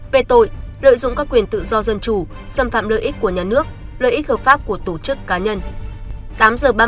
về tội lợi dụng các quyền tự do dân chủ xâm phạm lợi ích của nhà nước lợi ích hợp pháp của tổ chức cá nhân